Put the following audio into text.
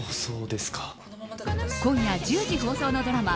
今夜１０時放送のドラマ